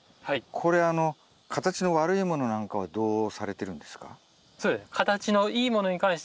これ形の悪いものなんかはどうされてるんですか？